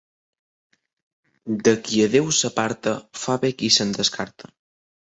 De qui a Déu s'aparta fa bé qui se'n descarta.